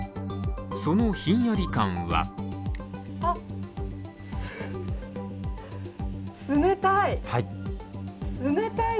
そのひんやり感はあっ、冷たい！